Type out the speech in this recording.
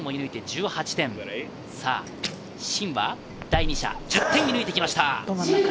シンは第２射、１０点を射抜いてきました。